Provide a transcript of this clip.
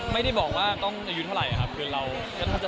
ไม่ได้บอกว่าต้องอยู่เท่าไร